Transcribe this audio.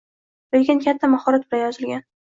Lekin katta mahorat bilan yozilgan